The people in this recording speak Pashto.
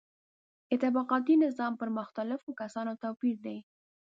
د طبقاتي نظام پر مختلفو کسانو توپیر دی.